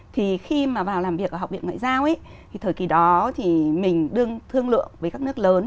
thì khi mà vào làm việc ở học viện ngoại giao ấy thì thời kỳ đó thì mình đương thương lượng với các nước lớn